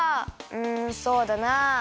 うんそうだな。